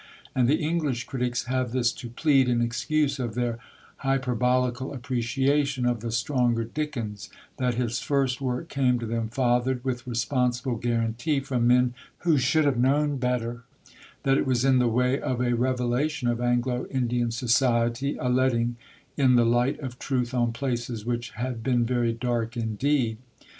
And the English critics have this to plead in excuse of their hyperbolical appreciation of the Stronger Dickens, that his first work came to them fathered with responsible guarantee from men who should have known better, that it was in the way of a revelation of Anglo Indian society, a letting in the light of truth on places which had been very dark indeed.